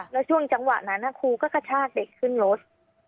แล้วช่วงจังหวะนั้นครูก็กระชากเด็กขึ้นรถ